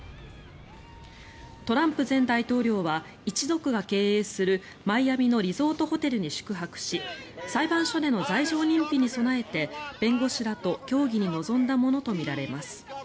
トランプ前大統領は一族が経営するマイアミのリゾートホテルに宿泊し裁判所での罪状認否に備えて弁護士らと協議に臨んだものとみられます。